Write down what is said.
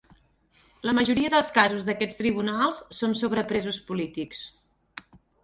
La majora dels casos d'aquests tribunals són sobre presos polítics.